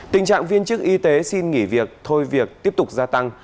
tình trạng viên chức y tế xin nghỉ việc thôi việc tiếp tục gia tăng